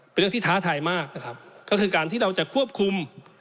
เป็นเรื่องที่ท้าทายมากนะครับก็คือการที่เราจะควบคุม